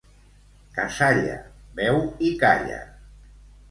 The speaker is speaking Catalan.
Cassalla, beu i calla.